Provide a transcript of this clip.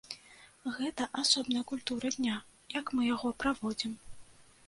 Гэта асобная культура дня, як мы яго праводзім.